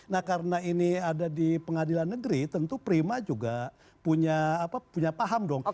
nah karena ini ada di pengadilan negeri tentu prima juga punya paham dong